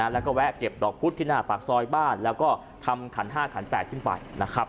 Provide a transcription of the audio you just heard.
แล้วก็แวะเก็บดอกพุธที่หน้าปากซอยบ้านแล้วก็ทำขัน๕ขัน๘ขึ้นไปนะครับ